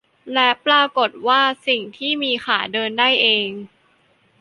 และปรากฏว่า สิ่งที่มีขาเดินได้เอง